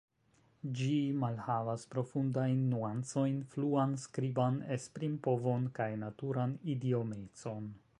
Ĝi malhavas profundajn nuancojn, fluan skriban esprimpovon kaj naturan idiomecon.